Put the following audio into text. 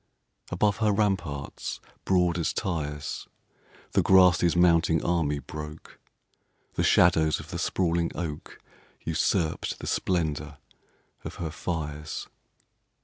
Above her ramparts, broad as Tyre's, The grasses' mounting army broke; The shadows of the sprawling oak Usurpt the splendor of her fires.